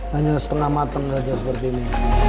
hanya setengah mateng saja seperti ini